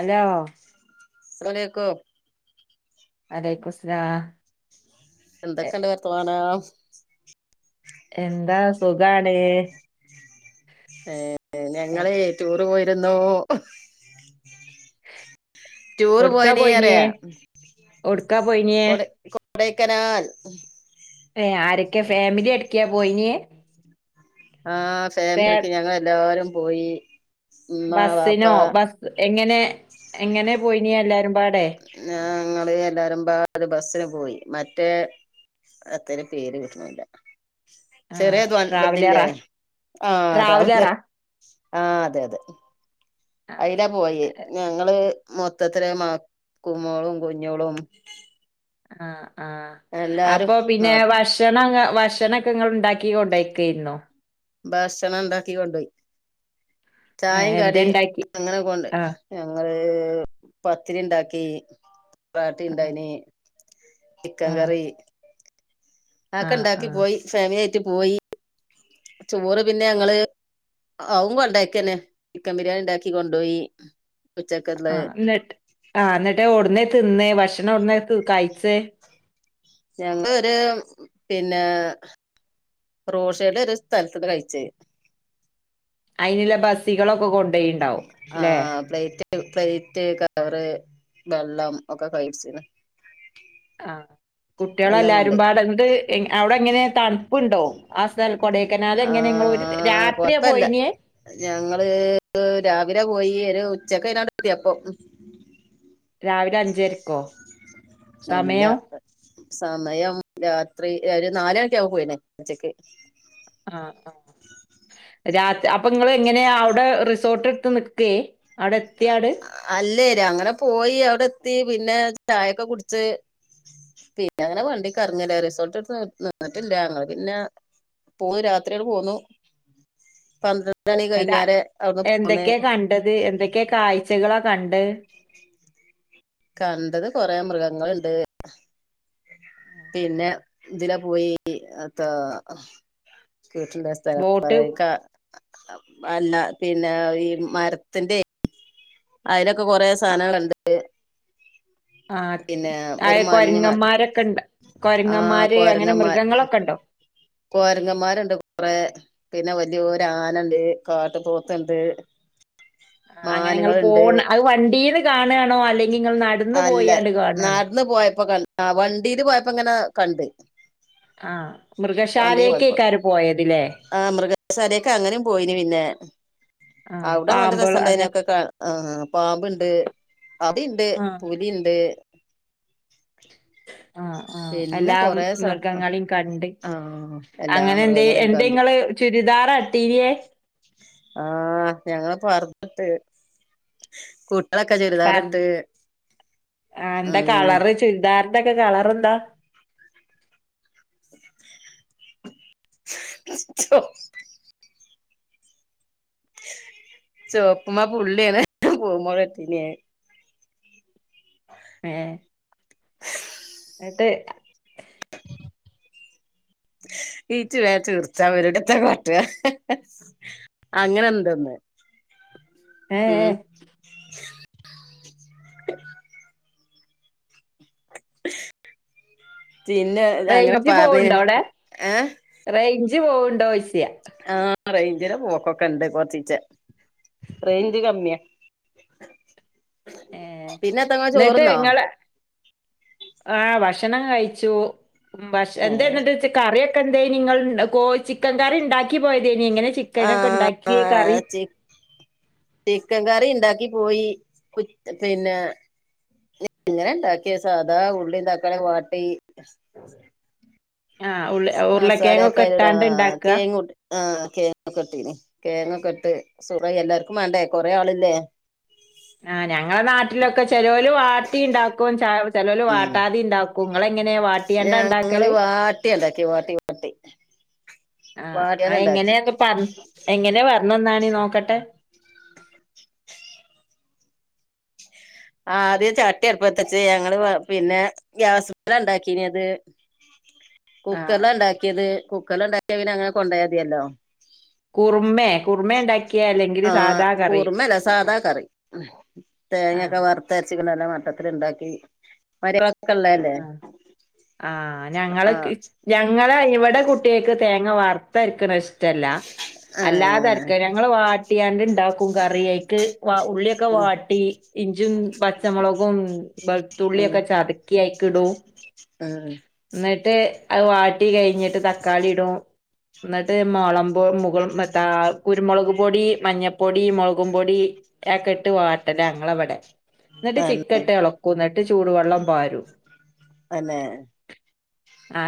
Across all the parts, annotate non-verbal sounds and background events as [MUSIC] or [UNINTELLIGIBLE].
Hello അലൈകും വാലെയ്‌കുസലാം. എന്തൊക്കെണ്ട് വർതാനം. എന്താ സുകാണ്. ഏ എ ഞങ്ങള് ടൂറ് പോയിരുന്നോ. ടൂർ പോയിനി പറയാ. എവ്‌ടേകാ പോയേനെ. കോടേക്കാനാൽ. ഏ ആരൊക്കെ ഫാമിലി അടക്കയാ പോയിനെ? ആഹ് ഫാമിലിയടക്കം ഞങ്ങൾ എല്ലാരും പോയി. ഉമ്മ വാപ്പ ബസ്സിനോ ബസ് എങ്ങനെ എങ്ങനെ പോയിനീ എല്ലാവരും പാടെ? ങ്ങള് എല്ലാരുംപാടെ ബസിന് പോയി മറ്റേ. അത്രയ പേര് കിട്ടണില്ല. ആ ചെറിയ ബതില്ലേ ട്രാവലറാ ആഹ് അത്. ട്രാവലറാ ആഹ് അതെ അതെ. ആ അയിലാ പോയി ഞങ്ങള് മൊത്തത്തില് മക്മോളും കുഞ്ഞോളും. ആഹ് ആഹ് എല്ലാരും അപ്പൊ പിന്നെ വഷ ഭക്ഷണ ഭക്ഷണങ്ങൾ ഉണ്ടാക്കി കൊണ്ടക്കരുന്നോ? ഭക്ഷണം ഉണ്ടാക്കി കൊണ്ടുപോയി ഏ ചായയും കടിയും എന്തേണ്ടാക്കി അങ്ങനെകൊണ്ട് ആ പോയി ഞങ്ങള് പത്തിരി ഉണ്ടാക്കി പാട്ടി ആ ഉണ്ടായിന്. ചിക്കൻ ആ കറി. ആ ആക്കെ ഇണ്ടാക്കി ആ പോയി ഫാമിലി ആയിട്ട് പോയി ചോറ് പിന്നെ ഞങ്ങള്. അതും കൊണ്ടായിക്കന്നെ ചിക്കൻ ബിരിയാണി ഉണ്ടാക്കി കൊണ്ടു പോയി. ആഹഹ് എന്നിട്ട് ആ എന്നിട്ട് എവടന്നേ തിന്ന ഭക്ഷണം എവടെനെ കഴചെ. ഞങ്ങൊ ഒരു പിന്നെ. റോഷയുടെ ഒരു സ്ഥലത്തന്ന് കഴിച്ചെ അയിനുള്ള ബസ്സികളൊക്കെ കൊണ്ട് ആഹ് പ്ലേയിറ്റ് പ്ലേയിറ്റ് കവറ് വെള്ളം ഒക്കെ കൈ വെച്ചി ആഹ് എല്ലാം കുട്ടികളെല്ലാരും കൊണ്ടോയി പാടെണ്ട് എന്ത് അവിടെ എങ്ങനെ തണുപ്പുണ്ടോ ആ സ്ഥല കൊടേക്കനാല് ആ എങ്ങനെ നിങ്ങള് ഒരു രാത്രിയ കൊഴപ്പല്ല പോയിന് ഞങ്ങള് രാവിലെ പോയി ഒരു ഉച്ചക്കെ ഏതാണ്ട്‌ എത്തി അപ്പൊ രാവിലെ അഞ്ചരക്കോ അല്ല സമയം സമയം രാത്രി ഒരു നാല് മണിയൊക്കെ ആയപ്പോ പോയിന് ഉച്ചക്ക് ആഹ് ആഹ് രാത്രി അപ്പൊ നിങ്ങള് എങ്ങനെയാ അവിടെ റിസോർട്ട് എടുത്ത് നിക്കയേ അവിടെ എത്തിയ പാട് അല്ലേര് അങ്ങനെ പോയി അവിടെ എത്തി പിന്നെ ചായൊക്കെ കുടിച്ച് പിന്നെ അങ്ങനെ വണ്ടീൽ കറങ്ങലാ റിസോർട്ട് എടുത്ത് നിന്നിട്ടില്ല ഞങ്ങള് പിന്നെ പോന്നു രാത്രിയങ്ങട് പോന്നു പന്ത്രണ്ട് മണി ന്നട്ട് കഴിഞ്ഞാരെ അവിടുന്ന് പോന്നെ എന്തൊക്കെയാ കണ്ടത് എന്തക്കെയാ കാഴ്ചകളാ കണ്ടെ കണ്ടത് കൊറേ മൃഗങ്ങളുണ്ട് പിന്നെ ഇതിലേ പോയി അത് [UNINTELLIGIBLE] ബോട്ട് [UNINTELLIGIBLE] അല്ല പിന്നെ ഈ മരത്തിന്റെയെ അതിനൊക്കെ കൊറേ സാധനങ്ങളുണ്ട് ആഹ് പിന്നെ ആ ഒരു മഞ്ഞമാൻ കൊരങ്ങന്മാരൊക്കെ ഉണ്ട് ആഹ് കൊരങ്ങന്മാര് അങ്ങനെ കൊരങ്ങന്മാർ മൃഗങ്ങളൊക്കെ ഉണ്ടോ കൊരങ്ങന്മാരുണ്ട് കൊറേ പിന്നെ വലിയ ഒരു ആനണ്ട് കാട്ട് പോത്തൊണ്ട് ആഹ് അങ്ങനെ നിങ്ങൾ പോണം അത് വണ്ടീന്ന് കാണുവാണോ അല്ലെ അല്ല നടന്ന് പോയപ്പോ ക ആഹ് വണ്ടീല് പോയപ്പോ ഇങ്ങനെ കണ്ട് ആഹ് മൃഗശാലേക്ക് ആക്കാരം പോയതല്ലെ ആഹ് മൃഗശാലയേക്ക് അങ്ങനേയും പോയിന് പിന്നെ ആ അവിടെ നല്ല പാമ്പുകൾ രസം ഉണ്ടായിന് അങ്ങനെ ഒക്കെ കാ ആഹ് പാമ്പുണ്ട് അവിടെയുണ്ട് ആ [UNINTELLIGIBLE] ഉണ്ട് ആഹ് ആഹ് പിന്നെ എല്ലാ കൊറേ സ മൃഗങ്ങളെയും കണ്ട് ആ എല്ലാ അങ്ങനെ എന്ത് മൃഗങ്ങളെയും എന്തേ കണ്ട് ഇങ്ങള് ചുരിദാറാ ഇട്ടീനിയെ ആഹ് ഞങ്ങള് പറുദ്ദയിട്ട് കൂട്ടികളൊക്കെ ഫർ ചുരിദാറിട്ട് ഉം ചുരിദാറിന്റെയൊക്കെ കളറെന്താ ചോ ചൊവപ്പുമ്മേ പുള്ളിയാ ഇട്ടത് [UNINTELLIGIBLE] ഇട്ടില്ല ഞാൻ എട്ട് [UNINTELLIGIBLE] അങ്ങനെ എന്തൊ ഒന്ന് ഏഹ് പിന്നെ അങ്ങനെ പറഞ്ഞ് ഏഹ് റേയ്ഞ്ച് പോവണ്ടോ ചോയ്ച്ചത് ആഹ് റേഞ്ചില് പോക്കൊക്കെ ഇണ്ട് കൊറച്ചീച്ചെ റേഞ്ച് കമ്മിയാ ഏഹ് പിന്നെ എത്തങ്ങ എന്നിട്ട് ചോറ്ന്നോ നിങ്ങള് ആഹ് ഭക്ഷണം കയിച്ചു ഭക്ഷ എന്തേ എന്നിട്ട് കറി ഒക്കെ എന്തെ നിങ്ങൾ കോ ചിക്കൻ കറി ഉണ്ടാക്കി പോയതേന് എങ്ങനെ ചി ആ ആ ക്കനൊക്കെ ഒണ്ടാക്കിയെ കറി ചി ചിക്കൻ കറി ഇണ്ടാക്കി പോയി പിന്നെ ഇങ്ങനെ ഇണ്ടാക്കിയെ സാധാ ഉള്ളിയും തക്കാളിയും വാട്ടി ആഹ് ഉള്ള [UNINTELLIGIBLE] ആഹ് [UNINTELLIGIBLE] ഉരുളക്കിഴങ്ങൊക്കെ ഇട്ടാണ്ട് ഇണ്ടാക്കാ? സുറെ എല്ലാർക്കും മാണ്ടേ കൊറെ ആളില്ലേ ആഹ് ഞങ്ങളെ നാട്ടിലൊക്കെ ചെലോല് വാട്ടി ഉണ്ടാക്കും ച ചെലോല് ഉം വാട്ടാതെ ഉണ്ടാക്കും കും ങ്ങളെ ങ്ങനെ വാ ഞങ്ങള് വാട്യ ണ്ടാക്യെ. വാട്ടി വാട്ടി.. ആഹ് വാട്ടിയാണ്ട് അത് ഇണ്ടാക്കി എങ്ങനെ പർ എങ്ങനെയന്ന് പറഞ്ഞ ന്നാണീ നോക്കട്ടെ.. ആദ്യം ചട്ടി അടുപ്പത്തച്ച് ഞങ്ങള് പിന്നെ ഗ്യാസ്സ് മ്മല ഉണ്ടാക്കീനത്.. ആഹ് കുക്കറ്ലാ ണ്ടാക്കിയത്. കുക്കറ്ല് ണ്ടാക്കിയ പിന അങ്ങനെ കൊണ്ടോയാ മതിയല്ലോ.. കുറുമേ കുറുമേ ഇണ്ടാക്കിയേ അല്ലെങ്കില് ആഹ് സാധാ കറി കൂർമ്മല്ല സാദാ കറി. ആഹ് തേങ്ങക്കെ വ.. ർത്തരച്ച്കാണ്ട് നല്ല മട്ടത്തിൽ ണ്ടാക്കി. മര് ക്കള്ളല്ലേ.. ആഹ് ആഹ് ഞങ്ങള്ക്ക് ഞങ്ങളെ ഇവിടെ കുട്ടിയേക്ക് തേങ്ങ വാർത്തരിക്കണ ഇഷ്.. ഷ്ടല്ല.. ആ അല്ലാതരക്കാ. ഞങ്ങള് വാട്ടിക്കാണ്ട് ണ്ടാക്കും. കറിഅയ്ക്ക് ഉള്ളിക്കെ ഉം വാട്ടി.. ഇഞ്ചും പച്ചമുളകും വെളുത്തുള്ളി ക്കെ ചതക്കി ആയിക്കിടും.. ആഹ്.. ന്നെട്ട് അഹ് വാട്ടി കഴിഞ്ഞിട്ട് തക്കാളിടും.. ന്നെട്ട് മുളമ്പോ മുഗൾ മത്താ.. കുരുമെളക് പൊടി മഞ്ഞപ്പൊടി മുളകും പൊടി അഹേക്കെ ട്ട് വാട്ടലാ ഞങ്ങളെ വെടെ.. ന്നെട്ട് ചിക്കൻ ട്ട് എളക്കും. ന്നെട്ട് ചൂടുവെള്ളം പാരും.. തെന്നെ..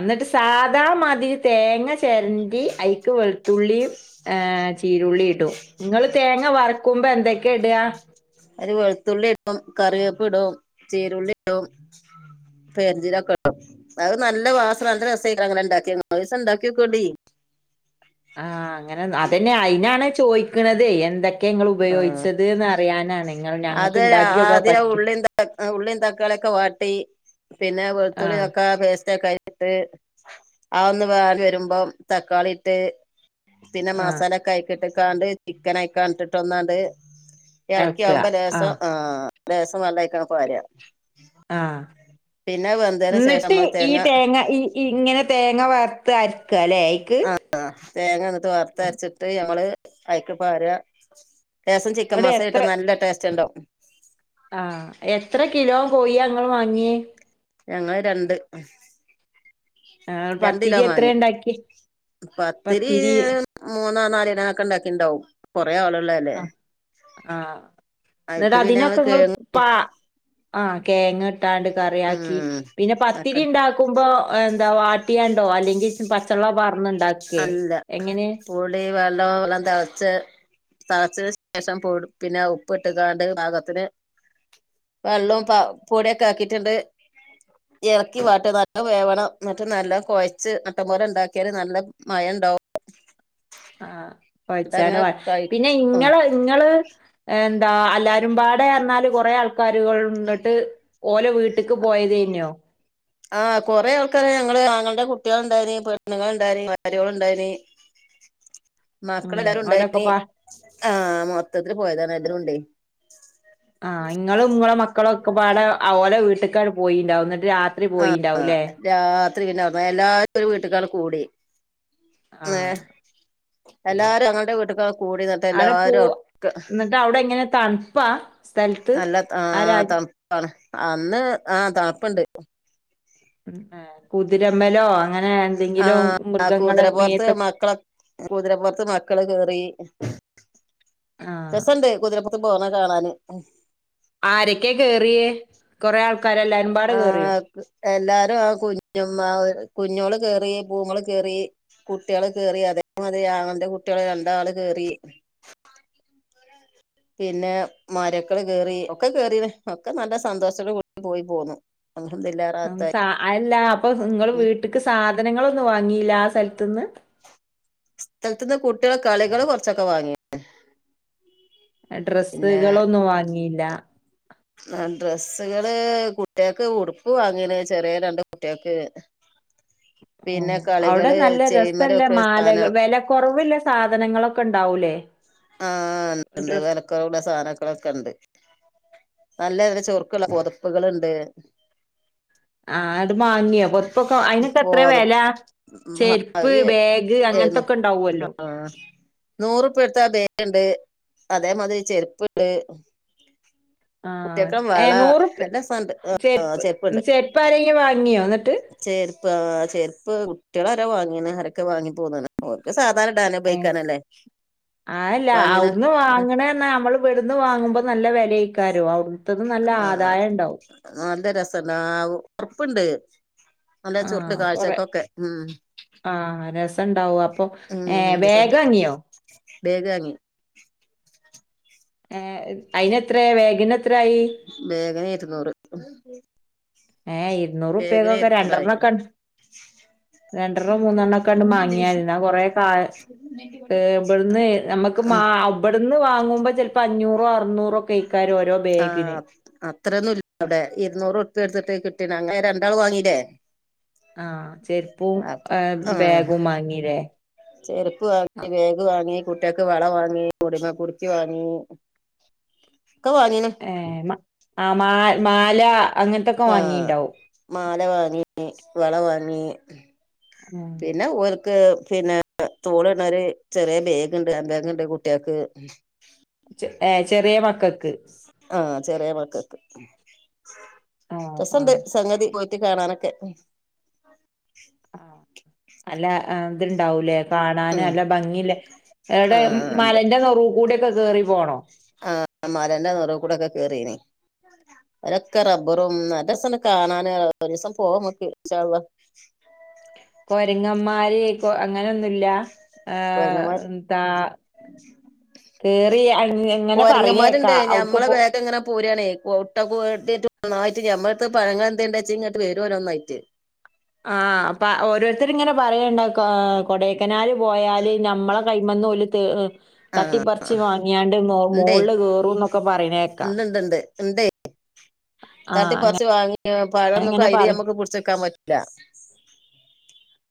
ന്നെട്ട് സാധാ മാതിരി.. തേങ്ങ ചെരന്റി ഐക്ക് വെളുത്തുള്ളീം.. ഏഹ് ചീരുള്ളി ഇടും. ഇങ്ങള് തേങ്ങ വറക്കുമ്പോ എന്തൊക്കെ ഇട. അതിൽ വെളുത്തുള്ളി ടും കറിവേപ്പ് ടും ചീരുള്ളി ടും.. പെര്ഞ്ചീരക്കെ ടും. അത് നല്ലാ വാസന നല്ല രസംയ് ക്കാരം അങ്ങനെണ്ടാക്കിയാൽ. ഒരീസം ഉണ്ടാക്കിനോകൊണ്ടി.. ആഹ് അങ്ങനെ അതന്നെ അയിനാണെ ചോയിക്കണതെ എന്തൊക്ക.. ആഹ് ഇങ്ങൾ അത് ഞങ്ങക്ക് ഇണ്ടാക്കിയോക്കാൻ ആദ്യം പറ്റി ഉള്ളി ഉള്ളിൻ തക്കാളി യെക്കെ വാട്ടി.. ട്ടി പിന്നെ വെളുത്തുള്ളി ആഹ് തക്കാളി പേസ്റ്റ് ഒക്കെ ആയി.. ഇട്ട് ആഹോന്ന് വാടി വരുമ്പം തക്കാളിട്ട്.. പിന്നെ ആഹ് മസാലൊക്കെ ആയിക്ക്ട്ട് കാണ്ട് ചിക്കനായിക്കാണ്ട് ട്ട് ഒന്നാണ്ട്.. ഇളക്കിയാവുംമ്പോ ലേസം ആഹ് ലേസം വെള്ളംഐക്കണ്ട് പാര.. ആഹ് വെന്തതിന് ശേഷം ന്നെട്ട് നമ്മള് ഈ തേങ്ങ ഈ.. ഇങ്ങനെ തേങ്ങ വറ്ത്ത് അരക്കാ ല്ലെ ഐ.. ആഹ് തേങ്ങ ന്നെട്ട് വർത്തരച്ചിട്ട് ഞമ്മള് അയിക്ക് പാര.. ലേസം ചിക്കൻ ഇങ്ങട് മസാല എത്ര ഇട്ടാ നല്ല ടേസ്റ്റ് ണ്ടാവും.. ആഹ് എത്ര കിലോ കൊയി ആഹ് ങ്ങൾ വാങ്ങിയേ.. ഞങ്ങള് രണ്ട്.. ആഹ് രണ്ട് കിലോ പത്തിരി മാങ്ങി. എത്രയാ ഇണ്ടാക്കിയേ? പത്തിരി.. മൂന്നാ നാലെ കിലെനെക്കെ ണ്ടാക്കിണ്ടാകും. കൊറെ ആൾ.. അഹ് ആഹ് അയിക്ക് ന്നെട്ട് പിന്നെ ഞങ്ങള് അതിനൊക്കെ കേ നിങ്ങൾ.. പാ ആഹ് കെങ്ങ് ട്ടാണ്ട് കറ്യാക്കി. ഉം പിന്നെ പത്തിരി ഒക്കെ ഇണ്ടാക്കുമ്പോ.. അഹ് ന്താ വാട്ടിയാണ്ടോ അല്ലെങ്കി പച്ചെള്ള പാറ്ന്ന്.. അല്ല. പൊടി നല്ലൊ വെള്ളം തെളച്ച്.. തെള്ള ച്ചതിന്ന് ശേഷം പിന്നെ ഉപ്പ് ഇട്ടുകാണ്ട് പാഗത്തിന്.. വെള്ളും പ പൊടിയൊക്കെ ആക്കിട്ടുണ്ട് ഏള്ക്കി വാട്ട. നല്ലം വേവണം. ന്നിട്ട് നല്ല കൊഴച്ച് മട്ട പോലെ ഉണ്ടാക്കിയൽ നല്ല.. മയം ണ്ടാവും.. ആഹ് എന്നിട്ട് കൊഴച്ചാല് അങ്ങനെ പറ പിന്നെ കഴിക്കും ഉം ഇങ്ങള് നിങ്ങള്.. എന്താ അല്ലാരുംപാടെ പറന്നാല് കൊറെേ ആൾക്കാരുകൾ എന്നിട്ട് ഓലെ വീട്ട.. വീട്ടക്ക് പോയതെയ്ന്നൊ ആഹ് കൊറെ ആൾക്കാര് ഞങ്ങള് ആങ്ങളുടെ കുട്ടികൾ ഉണ്ടായ്നി പെണ്ണുങ്ങൾ ഉണ്ടായനി മരോൾ ഉണ്ടായ്നി ഉം മക്കളെല്ലാരും ഉണ്ടായി ഇനി ഓലൊക്കെപ്പാ ആഹ് മൊത്തത്തില് പോയതാണ് എല്ലാരും ഉണ്ടേ ആഹ് ഇങ്ങളും ഇങ്ങളെ മക്കളും ഒക്കെ പാടെ ഓലെ വീട്ടുകാണ്ട് പോയിണ്ടാവു എന്നിട്ട് രാത്രി ആഹ് പോയിണ്ടാവുംല്ലേ രാത്രി പിന്നെ എല്ലാരും ഒരു വീട്ട്കാണ്ട്കൂടി ആഹ് ഏഹ് എല്ലാരും ആങ്ങളുടെ വീട്ടക്കാ കൂടി ഇന്നി അവിടെ പോ എന്നിട്ട് അവിടെ എങ്ങനെ തണുപ്പാ സ്ഥലത്ത് നല്ല ആ ആഹ് രാജ അന്ന് ആഹ് തണുപ്പുണ്ട് ഉം ഏഹ് കുതിരമ്പലോ അങ്ങനെ എന്തെങ്കിലും ആ മൃഗങ്ങളെ കുതിരപ്പുറത്ത് മേത്തൊ മക്കളൊ കുതിരപ്പുറത്ത് മക്കള് കേറി ആ രസുണ്ട് കുതിരപ്പു പോണത് കാണാന് ആരൊക്കെയ കേയറിയേ കുറെ ആൾക്കാരല്ലേ ആഹ് എല്ലാരും ആ കുഞ്ഞുമ്മ ആ കുഞ്ഞോള് കേറി പൂമോള് കേറി കുട്ടികള് കേറി അതേമാതിരി ആങ്ങളുടെ കുട്ടികള് രണ്ടാള് കേറി പിന്നെ മരക്കള് കേറി ഒക്കെ കേറിന് ഒക്കെ നല്ല സന്തോഷത്തോട്കൂടി പോയി പോന്നു അൽഹംദുലില്ല. സ അയല്ല അപ്പൊ നിങ്ങള് വീട്ടക്ക് സാധനങ്ങളൊന്നും വാങ്ങിയില്ല ആ സ്ഥലത്ത്ന്ന് സ്ഥലത്തു നിന്ന് കുട്ടികളെ കളികള് കുറച്ചൊക്കെ വാങ്ങി പിന്നെ ഡ്രസ്സുകളൊന്നും വാങ്ങിയില്ല ആ ഡ്രെസ്സുകള് കുട്ടിയാക്ക് ഉടുപ്പു വാങ്ങിന് ചെറിയ രണ്ട് കുട്ടികൾക്ക് ആ പിന്നെ അവിടെ കളികള് നല്ല ചെയിൻമേല് രസല്ലേ വെക്കണ സാനം മാലക വില കുറവില്ല സാധനങ്ങളൊക്കെ ഉണ്ടാവൂലേ ആഹ ഉണ്ട്ണ്ട് ഡ്രസ് വിലക്കുറുള്ള സാധനങ്ങളൊക്കെ ഉണ്ട് നല്ല നല്ല ചുറുക്കുള്ള പൊതപ്പുകള് ഉണ്ട് ആ ഇങ്ങട്ട് മാങ്ങ്യ. പൊതപ്പൊക്കെ അയിനൊക്കെ എത്ര ബോധം വില ചെരുപ്പ് ബാഗ് അങ്ങനത്തൊക്കെ ഇണ്ടാവല്ലോ നൂറുപ്പ്യ കൊടുത്താ ബേഗുണ്ട് അതേമാതിരി ചെരുപ്പുണ്ട് ആ കുട്ടിയാക്ക് വള ഏഹ് ഉറുപ്യ എല്ലാ സനം ഇണ്ട് ചെരുപ്പ് ചെരുപ്പുണ്ട് ചെരുപ്പ് ആരെങ്കിലും വാങ്ങിയോ എന്നിട്ട്? ചേരുപ്പ് ആ ചേരുപ്പ് കുട്ടിയാള് ആ വാങ്ങിണ് ആരൊക്കെ വാങ്ങി പോന്ന്ണ് ഓൽക്ക് സാധാരണ ഇടാനെ ഏഹ് ഉപയേഗിക്കാനല്ലേ അതല്ല വാങ്ങീണ് അവിടുന്ന് വാങ്ങണേന്നാ നമ്മള് ഇവിടുന്ന് വാങ്ങുമ്പോ നല്ല വെല ആയിക്കാരം അവിടു ആഹ് നല്ല രസണ്ട് ഒറപ്പുണ്ട് നല്ല ചുറുക്ക് കാഴ്ചക്കൊക്കെ ഉം ആഹ് രസംണ്ടാവും അപ്പൊ ഏഹ് ബാഗ് വാങ്ങിയോ ബേഗാങ്ങി. ഏഹ് അയിന് എത്ര ബേഗന് എത്രായി ബോഗന് ഇരുന്നൂറ് ഏഹ് ബേഗിന് ഇരൂനൂറുപ്പക്കൊക്കെ ഇരുന്നൂറായി രണ്ടെരണ്ണം ക്കെണ്ട് രണ്ടെണ്ണം മൂന്നെണ്ണം ഒക്കൊണ്ട് മാങ്ങിയുന്ന കൊറെ കാ ഇവിടുന്ന് നമ്മക്ക് ഉം ഇവിടുന്ന് വാങ്ങുമ്പോ ചിലപ്പോ അഞ്ഞൂറോ അറുന്നൂറോ ഒക്കെ അയ്ക്കാരം ഓരോ ബേഗിന് അത്രൊനും ഇല്ല അവിടെ ഇരുന്നൂറ് ഉറുപൃ കെടുത്തിട്ട് കിട്ടീണ് അങ്ങനെ രണ്ടാള് വാങ്ങീല്ലേ ആഹ് ചെരുപ്പവും അപ്പ ആഹ് ബാഗും വാങ്ങീലേ ചെരുപ്പ് വാങ്ങി ബേഗ് വാങ്ങി കുട്ടികക്ക് വള വാങ്ങി [UNINTELLIGIBLE] വാങ്ങി ഓക്കവാങ്ങിണ് ഏഹ് ആഹ് മാ മാല അങ്ങനത്തൊക്കെ ആഹ് വാങ്ങിണ്ടാവും മാല വാങ്ങി വള വാങ്ങി ഉം പിന്നെ ഒരു പിന്നെ തോളിഇടുണ ഒര് ചെറിയ ബേഗുണ്ട് ബേഗണ്ട് കുട്ടികക്ക് ഏഹ് ചെറിയ മക്കക്ക് ആഹ് ചെറിയ മക്കക്ക് ആഹ് രസോണ്ട് ആഹ് സംഗതി അത് കാണാനൊക്കെ അല്ലാ ആഹ് അത്ണ്ടാവുലേ കാണാന് ഉം നല്ലെ ഭംങ്ങിയില്ലേ എവുടെ ആഹ് ഉണ്ട് മലെന്റെ നെറൂകൂടക്കെ കേറി പോണോ ആഹ് മലെന്റെ നെറൂ കൂടൊക്കെ കേറീനി അവിടൊക്കെ റബ്ബറും നല്ലെ രെസാണ് കാണാന് ഒരൂസം പോകാമ്മക്ക് ഇൻഷാ അല്ലാഹ് കൊരങ്ങന്മാര് കൊ അങ്ങനൊന്നുല്ലഏഹ് കൊരങ്ങന്മാര് എന്താ കേറി അയ് ഇങ്ങനെ കൊരങ്ങന്മാരുണ്ട് പറേണേക്കാ അവ്ട്ക്ക് ഞമ്മളെ പോ ബേക്ക് ഇങ്ങനെ പോരാണേ കൊട്ടൊക്കെ ട്ടെയ്റ്റ് ഒന്നായിട്ട്ഞമ്മടുത്ത് പഴങ്ങൾ എന്തേണ്ടെച്ചി ഇങ്ങട്ട് വരും ഓരോന്നായിട്ട് ആഹ് അപ്പ ഓരോരുത്തര് ഇങ്ങനെ പറയണ്ട് കൊടെക്കനാല് പോയാല് ഞമ്മളെ കൈമെന്ന് ഓല് ത് ഹ് ആഹ് തട്ടിപ്പറിച്ച് വാങ്ങിയാണ്ട് മൊ മോളില് കേറുംന്നൊക്കെ പറയ്ണേക്കാ ഇണ്ട്ണ്ട് ഇണ്ടെ ആ തട്ടിപറിച്ച് വാങ്ങി പഴൊന്നും അങ്ങനെ കയ്യില് പറയും. ഞമ്മക്ക്പുടിച്ച് വെക്കാൻ പറ്റ് ല്ല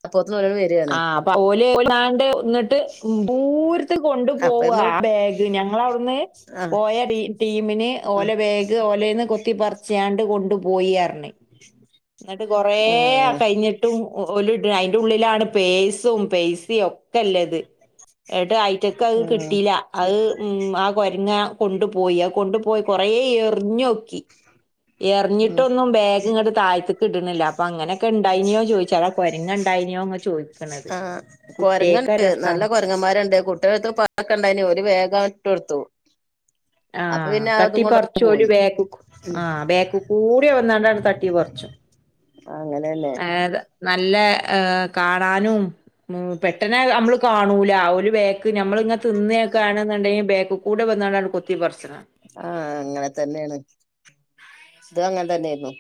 അപ്പോത്തിനും [UNINTELLIGIBLE] ആഹ് അപ്പ ഓല് [UNINTELLIGIBLE] ഇന്നിട്ട് പൂരത്ത് അപ്പൊ കൊണ്ടുപോവാ ഞമ്മൾ ബേ ഗ് ഞങ്ങളവിടുന്ന് ആഹ് പോയ ടീ ടീമിന് ആഹ് ഓലെ ബേഗ് ഓലേന്ന് കൊത്തിപ്പർച്ചിയാണ്ട് കൊണ്ടു പോയിയർഞ്ഞ് പർഞ് ഇന്നെട്ട് കൊറേ ആഹ് കഴിഞ്ഞിട്ടും ഓ ഓല്ട അയ്‌ന്റെ ഉള്ളിലാണെ പെയ്സും പെസിം ഒക്കെല്ലത് ഇന്നെട്ട് അയ്റ്റക്കത് ആഹ് കിട്ടില്ല അഹ് ഉം ആ കൊരങ്ങ കൊണ്ടുപോയി കൊണ്ടുപോയ കൊറേ എറിഞ്ഞോക്കി ഉം എറിഞ്ഞിട്ടൊന്നും ബേ ഗ് ഇങ്ങട്ട് താഴത്തിക്ക് ഇട്ണില്ല അപ്പൊ അങ്ങനെയൊക്കെണ്ടായിനോ ചോയ്ച്ചാ കൊരങ്ങ്ണ്ടായിനോ ചോയ് ആഹ് കൊരങ്ങണ്ട് നല്ല കൊര പെങ്ങന്മാര്ണ്ട് കുട്ടികെട്ത്ത് [UNINTELLIGIBLE] ഒക്കൊണ്ടായിനി ഓര് വേഗങ്ങട് ട്ട് കൊട്ത്തു ആഹ് കൊണ്ടോണ്ട് തട്ടിപ്പറിച്ചോല് പോയി ബേക്കികൂടി ഉം ആഹ് ബേക്ക്കൂടി വന്നാണ്ടണ്ട് തട്ടിപർച്ചും ആഹ് അങ്ങനെല്ലെ നല്ലെ ഏഹ് കാണാനും ഉം പെട്ടെന്ന് അമ്മള് കാണൂല ഓല് ബേക്ക് നമ്മളിങ്ങനെ തിന്നെക്കാണ് ന്ന്ണ്ടെങ്കി ബാക്ക്കൂടെ വന്നാണ്ടാണ് കൊത്തി പർച്ച്ണാ ആഹ് അങ്ങനെ തന്നെണ് ഇതും അങ്ങനെ തന്നെന്നു